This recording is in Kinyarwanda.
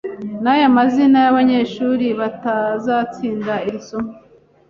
Naya mazina yabanyeshuri batazatsinda iri somo.